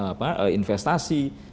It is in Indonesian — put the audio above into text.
kerja sama untuk investasi